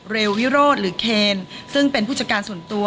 วิโรธหรือเคนซึ่งเป็นผู้จัดการส่วนตัว